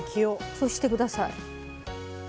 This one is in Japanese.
そうして下さい。